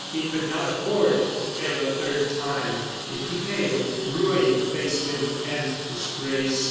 He could not afford to fail a third time. If he failed ruin faced him, and disgrace.